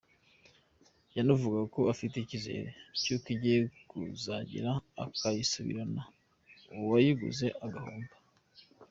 Yanavugaga ko afite icyizere cy’uko igihe kizagera akayisubirana uwayiguze agahomba.